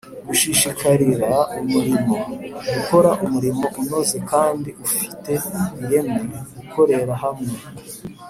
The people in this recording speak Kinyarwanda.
gushishikarira umurimo, gukora umurimo unoze kandi ufite ireme, gukorera hamwe,